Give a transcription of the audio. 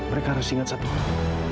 mereka harus ingat satu hal